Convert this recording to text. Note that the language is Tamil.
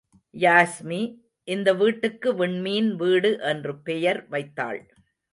யாஸ்மி, இந்த வீட்டுக்கு விண்மீன் வீடு என்று பெயர் வைத்தாள்.